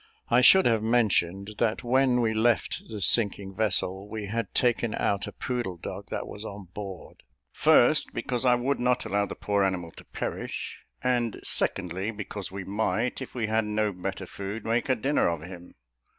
I should have mentioned, that when we left the sinking vessel, we had taken out a poodle dog, that was on board first, because I would not allow the poor animal to perish; and, secondly, because we might, if we had no better food, make a dinner of him.